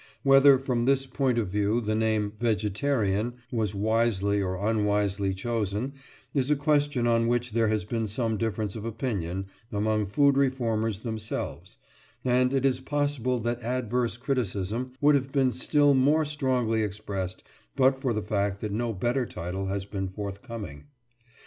Whether, from this point of view, the name "vegetarian" was wisely or unwisely chosen is a question on which there has been some difference of opinion among food reformers themselves, and it is possible that adverse criticism would have been still more strongly expressed but for the fact that no better title has been forthcoming.